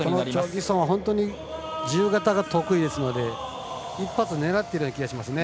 チョ・ギソンは本当に自由形が得意ですので一発狙っている気がします。